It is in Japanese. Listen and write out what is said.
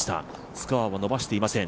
スコアを伸ばしていません。